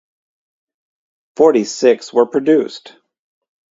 Forty six were produced.